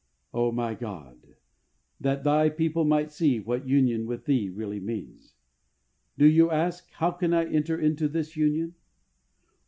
O my God, that Thy people might see what union with Thee really means. Do you ask, " How^ can I enter into this union